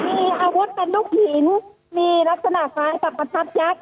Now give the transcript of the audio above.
มีอาวุธเป็นลูกหญิงมีลักษณะกลายจากประชาชน์ยักษ์